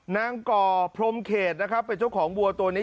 นางก่อพรมเขตเป็นเจ้าของวัวตัวนี้